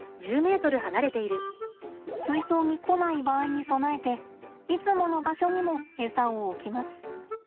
水槽に来ない場合に備えていつもの場所にもエサを置きます。